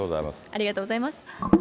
ありがとうございます。